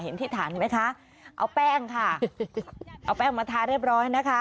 ที่ฐานไหมคะเอาแป้งค่ะเอาแป้งมาทาเรียบร้อยนะคะ